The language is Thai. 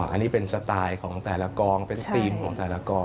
อันนี้เป็นสไตล์ของแต่ละกองเป็นธีมของแต่ละกอง